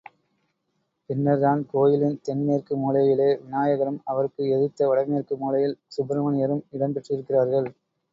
பின்னர்தான் கோயிலின் தென்மேற்கு மூலையிலே விநாயகரும் அவருக்கு எதிர்த்த வடமேற்கு மூலையில் சுப்பிரமணியரும் இடம் பெற்றிருக்கிறார்கள்.